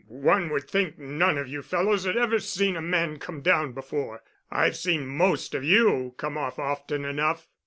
"One would think none of you fellows had ever seen a man come down before. I've seen most of you come off often enough."